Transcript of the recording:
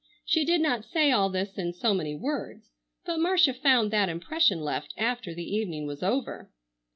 She did not say all this in so many words, but Marcia found that impression left after the evening was over.